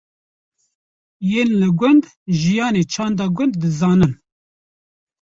yên li gund jiyane çanda gund dizanin